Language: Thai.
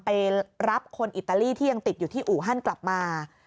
ไปรับคนอิตาลีที่ยังติดอยู่ที่อู่ฮันกลับมา